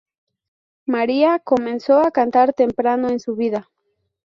María comenzó a cantar temprano en su vida.